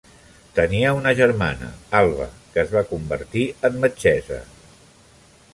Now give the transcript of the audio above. Tenia una germana, Alva, que es va convertir en metgessa.